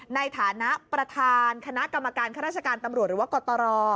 ในฐานะประธานคณะกรรมการข้าราชการตำรวจหรือว่ากตร